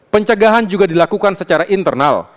pencegahan juga dilakukan secara internal